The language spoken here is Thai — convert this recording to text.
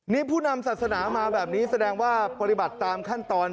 นี่ผู้นำศาสนามาแบบนี้แสดงว่าปฏิบัติตามขั้นตอน